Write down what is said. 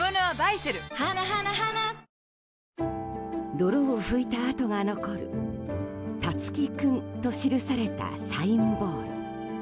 泥を拭いた跡が残る「たつきくん」と記されたサインボール。